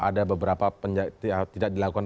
ada beberapa tidak dilakukan